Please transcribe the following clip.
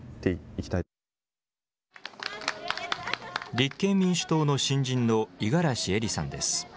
立憲民主党の新人の五十嵐衣里さんです。